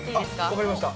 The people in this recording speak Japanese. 分かりました。